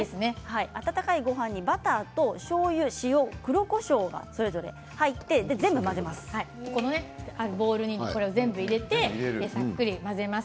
温かいごはんにバターとしょうゆ塩、黒こしょうがそれぞれ入ってこのボウルに全部入れてさっくり混ぜます。